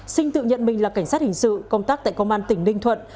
sinh tự nhận mình là cảnh sát hình sự công tác tại công an tỉnh ninh thuận